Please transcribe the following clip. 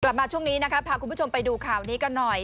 มาช่วงนี้นะคะพาคุณผู้ชมไปดูข่าวนี้กันหน่อย